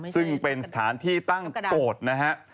ซึ่งเป็นสถานที่ตั้งโกฎนะครับ